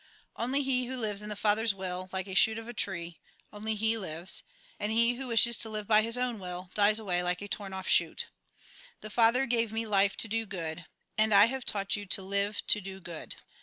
Only he who lives in the Father's will, like a shoot of a tree, only he lives ; and he who wishes to live by his own will, dies away like a torn off shoot. " The Father gave me life to do good, and I have taught you to live to do good.